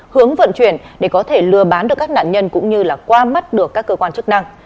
hướng vận chuyển để có thể lừa bán được các nạn nhân cũng như là qua mắt được các cơ quan chức năng